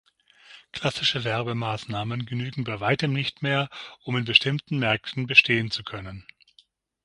Klassische Werbemaßnahmen genügen bei weitem nicht mehr, um in bestimmten Märkten bestehen zu können.